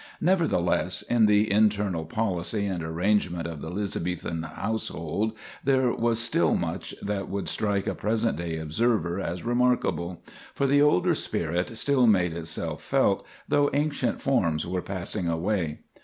Nevertheless, in the internal policy and arrangement of the Elizabethan household there was still much that would strike a present day observer as remarkable—for the older spirit still made itself felt, though ancient forms were passing away.